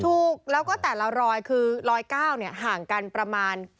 ถูกแล้วก็แต่ละรอยคือรอย๙ห่างกันประมาณ